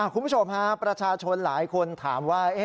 คุณผู้ชมฮะประชาชนหลายคนถามว่า